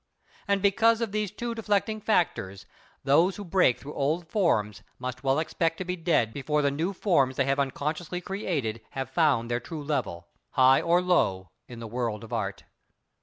And, because of these two deflecting factors, those who break through old forms must well expect to be dead before the new forms they have unconsciously created have found their true level, high or low, in the world of Art.